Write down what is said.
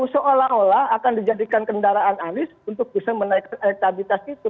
seolah olah akan dijadikan kendaraan anies untuk bisa menaikkan elektabilitas itu